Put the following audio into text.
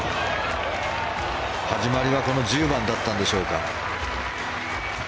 始まりはこの１０番だったんでしょうか。